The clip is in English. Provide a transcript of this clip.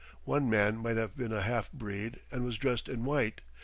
One man might have been a half breed and was dressed in white.